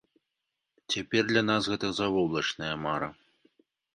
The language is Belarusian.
Цяпер для нас гэта завоблачная мара.